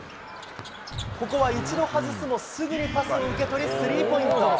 ここは一度外すも、すぐにパスを受け取りスリーポイント。